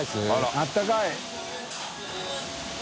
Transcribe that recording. あったかい。